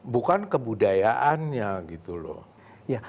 bukan kebudayaannya gitu loh